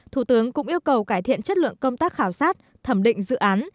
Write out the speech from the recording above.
thủ tướng cũng yêu cầu cải thiện chất lượng công tác khảo sát thẩm định dự án